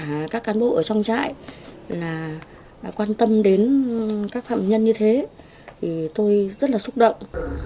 và các cán bộ ở trong trại là quan tâm đến các phạm nhân như thế thì tôi rất là xúc động